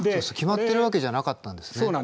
決まってるわけじゃなかったんですね。